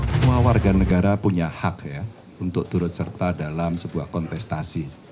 semua warga negara punya hak ya untuk turut serta dalam sebuah kontestasi